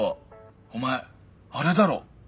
お前あれだろ？